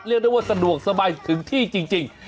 เรียกได้ว่าสะดวกสบายถึงที่จริง